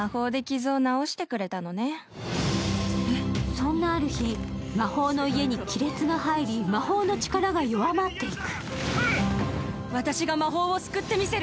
そんなある日、魔法の家に亀裂が入り、魔法の力が弱まっていく。